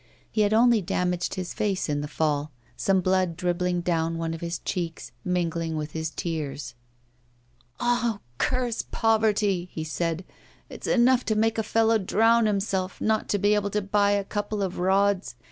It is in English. He had only damaged his face in the fall. Some blood dribbled down one of his cheeks, mingling with his tears. 'Ah! curse poverty!' he said. 'It's enough to make a fellow drown himself not to be able to buy a couple of rods!